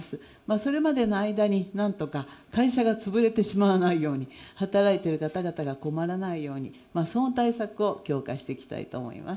それまでの間になんとか会社が潰れてしまわないように、働いてる方々が困らないように、その対策を強化していきたいと思います。